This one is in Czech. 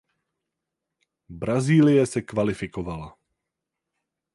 Brazílie se kvalifikovala.